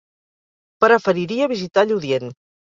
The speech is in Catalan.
Preferiria visitar Lludient.